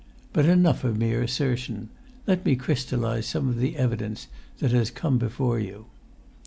But enough of mere assertion; let[Pg 181] me crystallise some of the evidence that has come before you.